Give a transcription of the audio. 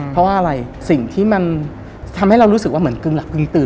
เพราะว่าอะไรสิ่งที่มันทำให้เรารู้สึกว่าเหมือนกึงหลักกึงตื่น